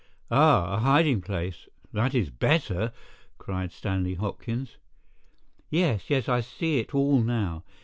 "Ah, a hiding place—that is better!" cried Stanley Hopkins. "Yes, yes, I see it all now!